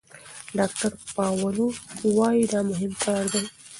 ډاکتر پاولو وايي دا مهم کار دی.